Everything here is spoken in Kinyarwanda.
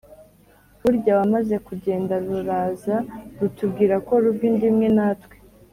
burya wamaze kugenda ruraza rutubwira ko ruva inda imwe na twe,